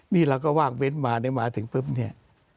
นี่เราก็ว่างเว้นได้มาถึงปุ๊บนี้